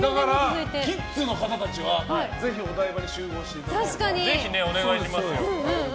キッズの方たちはぜひお台場に集合していただいて。